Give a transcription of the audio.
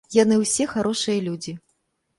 Яны ўсе харошыя людзі.